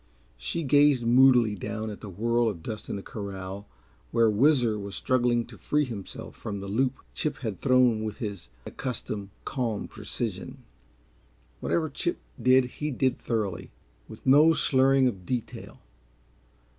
She gazed moodily down at the whirl of dust in the corral, where Whizzer was struggling to free himself from the loop Chip had thrown with his accustomed, calm precision. Whatever Chip did he did thoroughly, with no slurring of detail.